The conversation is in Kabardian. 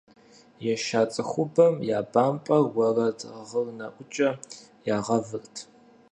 Еша цӀыхубэм я бампӀэр уэрэд гъырнэӀукӀэ ягъэвырт.